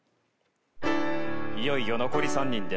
いよいよ残り３人です。